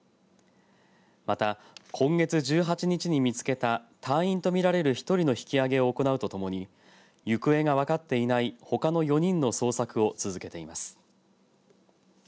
また、今月１８日に見つけた隊員と見られる１人の引き上げを行うとともに行方がわかっていないほかの４人の捜索を続けています。